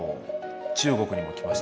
中国にも来ましたね。